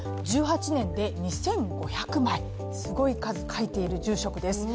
１８年で２５００枚すごい数、書いている住職です。